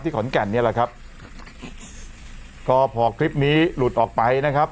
ขอนแก่นเนี่ยแหละครับก็พอคลิปนี้หลุดออกไปนะครับ